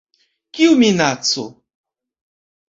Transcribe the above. Kiu minaco?